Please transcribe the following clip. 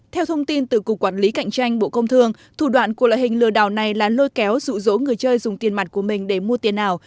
theo thông tin từ cục quản lý cạnh tranh bộ công thương thủ đoạn của loại hình lừa đảo này là lôi kéo dụ dỗ người chơi dùng tiền mặt của mình để mua tiền ảo